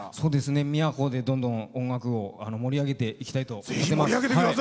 宮古でどんどん音楽を盛り上げていきたいと思います。